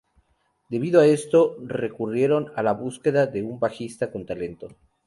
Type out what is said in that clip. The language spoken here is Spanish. Debido a esto, recurrieron a la búsqueda de un bajista con talento.